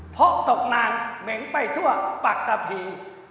พบตกนางเหม็นไปทั่วปากตะพี